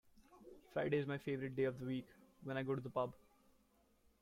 Friday is my favourite day of the week, when I go to the pub